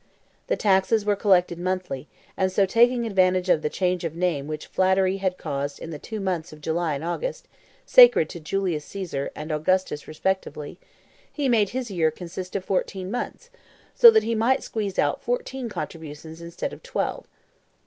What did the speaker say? The taxes were collected monthly; and so, taking advantage of the change of name which flattery had caused in the two months of July and August, sacred to Julius Caesar and Augustus respectively, he made his year consist of fourteen months, so that he might squeeze out fourteen contributions instead of twelve.